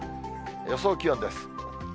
予想気温です。